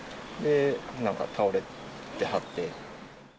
なんか倒れてはって。